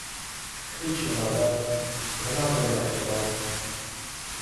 • “Hech nima”dan “nimadir” yaxshiroq.